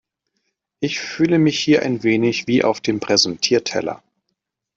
Ich fühle mich hier ein wenig wie auf dem Präsentierteller.